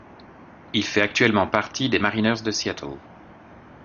Il fait actuellement partie des Mariners de Seattle.